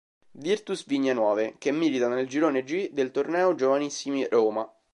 Virtus Vigne Nuove, che milita nel girone G del torneo Giovanissimi Roma.